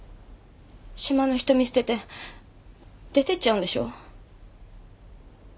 島の人見捨てて出て行っちゃうんでしょう？